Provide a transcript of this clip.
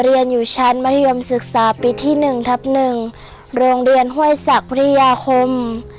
เรียนอยู่ชั้นมัธยมศึกษาปีที่๑ทับ๑โรงเรียนห้วยศักดิยาคม